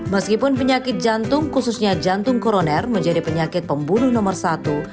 meskipun penyakit jantung khususnya jantung koroner menjadi penyakit pembunuh nomor satu